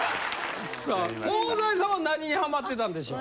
さあ香西さんは何にハマってたんでしょう？